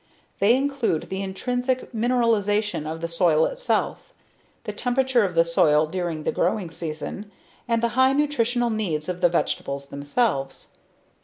They include the intrinsic mineralization of the soil itself, the temperature of the soil during the growing season, and the high nutritional needs of the vegetables themselves.